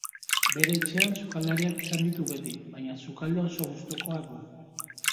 Bere etxean sukaldariak izan ditu beti, baina sukaldea oso gustukoa du.